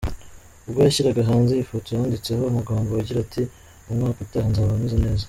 Ubwo yashyiraga hanze iyi foto yanditseho amagambo agira ati “Umwaka utaha nzaba meze neza”.